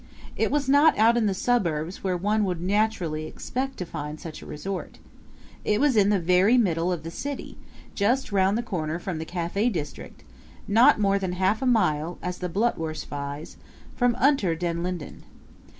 It was not out in the suburbs where one would naturally expect to find such a resort. It was in the very middle of the city, just round the corner from the cafe district, not more than half a mile, as the Blutwurst flies, from Unter den Linden.